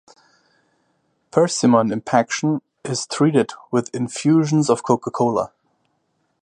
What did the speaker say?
Persimmon impaction is treated with infusions of Coca-Cola.